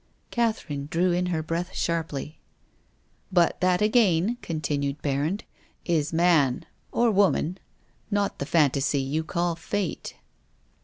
Catherine drew in her breath sharply. " But that again," continued Berrand. " Is man — or woman — not the fantasy you call Fate?"